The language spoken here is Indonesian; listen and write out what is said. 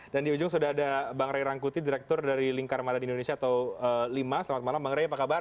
dan di ujung sudah ada bang ray rangkuti direktur dari lingkar mada di indonesia atau lima selamat malam bang ray apa kabar